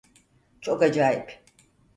Çok acayip.